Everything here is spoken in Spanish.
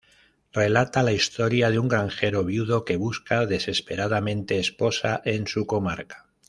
Relata la historia de un granjero viudo que busca desesperadamente esposa en su comarca.